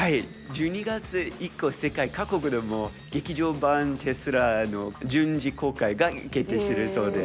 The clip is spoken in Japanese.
１２月以降世界各国でも『劇場版転スラ』の順次公開が決定しているそうです。